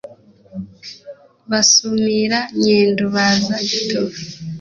Basumira i Nyendo baza Gitovu